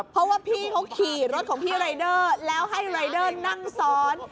เพราะว่าพี่เขาขี่รถของพี่รายเดอร์แล้วให้รายเดอร์นั่งซ้อน